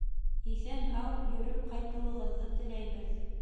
Иҫән-һау йөрөп ҡайтыуығыҙҙы теләйбеҙ!